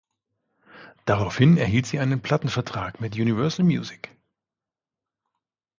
Daraufhin erhielt sie einen Plattenvertrag mit Universal Music.